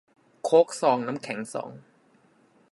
โค้กสอง น้ำแข็งสอง